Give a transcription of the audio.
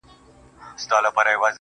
هڅه انسان بریا ته رسوي.